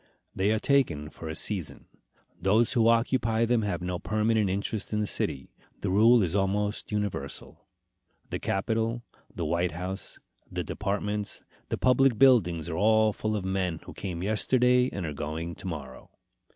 They are taken for a season. Those who occupy them have no permanent interest in the city. The rule is almost universal. The Capitol, the White House, the departments, the public buildings are all full of men who came yesterday and are going to morrow.